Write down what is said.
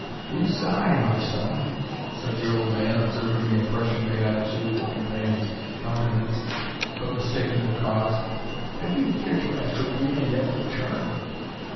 "You sigh, my son," said the old man, observing the impression made on his youthful companion's countenance, but mistaking the cause; "if you fear to enter, we may yet return."